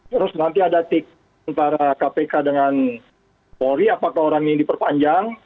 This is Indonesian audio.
terus nanti ada tik antara kpk dengan polri apakah orang ini diperpanjang